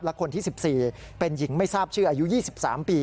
และคนที่๑๔เป็นหญิงไม่ทราบชื่ออายุ๒๓ปี